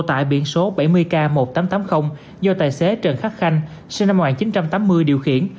tại biển số bảy mươi k một nghìn tám trăm tám mươi do tài xế trần khắc khanh sinh năm một nghìn chín trăm tám mươi điều khiển